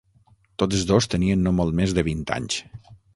Tots dos tenien no molt més de vint anys.